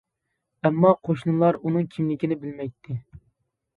ئەمما قوشنىلار ئۇنىڭ كىملىكىنى بىلمەيتتى.